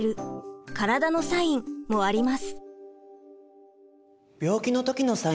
身体のサインもあります。